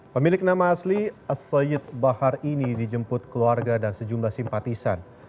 pemilik nama asli as toyid bahar ini dijemput keluarga dan sejumlah simpatisan